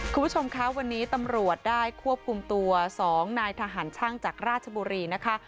คุณผู้ชมคะวันนี้ตำรวจได้ควบคุมตัว๒นายทหารช่างจากราชบุรีนะคะ